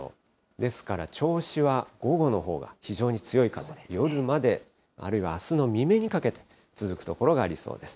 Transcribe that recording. ですから、銚子は午後のほうが非常に強い風、夜まであるいはあすの未明にかけて続く所がありそうです。